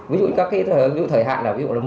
ví dụ các thời hạn là